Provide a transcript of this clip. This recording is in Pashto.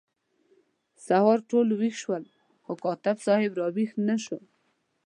سهار ټول ویښ شول خو کاتب صاحب را ویښ نه شو.